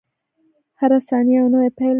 • هره ثانیه یو نوی پیل دی.